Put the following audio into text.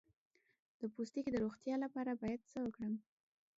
د پوستکي د روغتیا لپاره باید څه وکړم؟